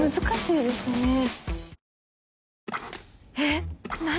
難しいですね。